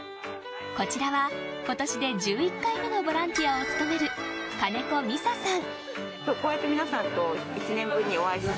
こちらは今年で１１回目のボランティアを務める金子美善さん。